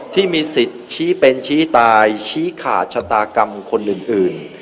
ที่มีสิทธิ์ชี้เป็นชี้ตายชี้ขาดชะตากรรมคนอื่น